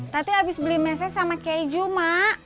tadi abis beli mesin sama keju mak